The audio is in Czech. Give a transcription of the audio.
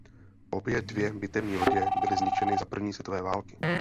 Obě dvě bitevní lodě byly zničeny za první světové války.